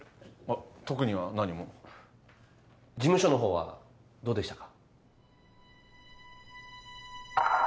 特には何も事務所のほうはどうでしたか？